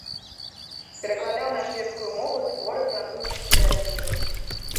Перакладаў на шведскую мову творы французскіх сюррэалістаў.